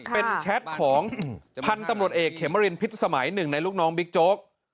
เป็นแชทของพันธุ์ตำรวจเอกเขมรินพิษสมัยหนึ่งในลูกน้องบิ๊กโจ๊ก